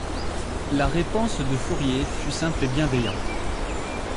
La réponse de Fourier fut simple et bienveillante.